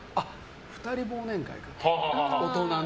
２人忘年会かと、大人の。